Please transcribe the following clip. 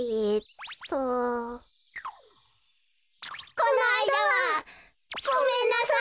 このあいだはごめんなさい。